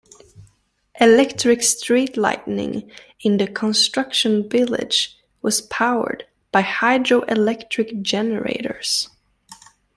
Electric street lighting in the construction village was powered by hydroelectric generators.